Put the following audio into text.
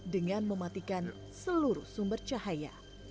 dengan mematikan seluruh sumber cahaya